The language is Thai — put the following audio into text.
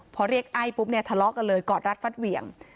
พอเรียกไอ้ปุ๊บเนี่ยทะเลาะกันเลยกอดรัดฟัดเหวี่ยง